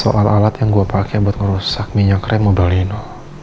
soal alat yang gue pakai buat ngerusak minyak rem mobile leno